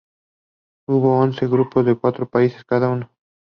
Hubo once grupos de cuatro países cada uno.